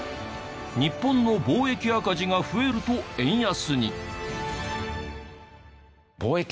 日本の貿易赤字が増えると円安に。